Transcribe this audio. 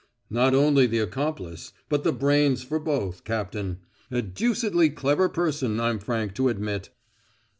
"Not only the accomplice, but the brains for both, Captain. A deucedly clever person, I'm frank to admit."